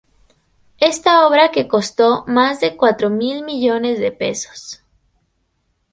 Esta obra que costó más de cuatro mil millones de pesos.